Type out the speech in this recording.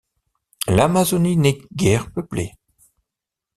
L'Amazonie n'est guère peuplée.